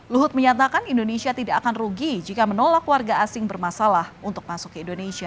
luhut menyatakan indonesia tidak akan rugi jika menolak warga asing bermasalah untuk masuk ke indonesia